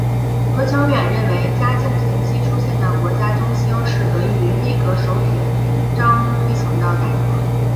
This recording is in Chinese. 何乔远认为嘉靖前期出现的国家中兴是得益于内阁首辅张璁推行的改革。